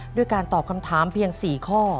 ด้วยการตอบคำถามเพียง๔ข้อ